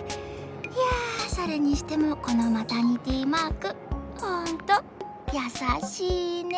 いやそれにしてもこのマタニティマークホントやさしいね。